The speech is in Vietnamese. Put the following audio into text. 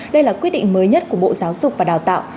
đây là quyết định mới nhất của bộ giáo dục và đào tạo